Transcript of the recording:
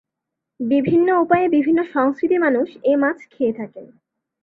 বিভিন্ন উপায়ে বিভিন্ন সংস্কৃতির মানুষ এ মাছ খেয়ে থাকেন।